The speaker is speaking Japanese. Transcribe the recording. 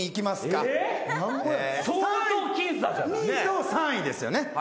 ２位と３位ですよね。